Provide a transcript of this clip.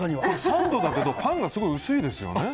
サンドだけどパンがすごい薄いですよね。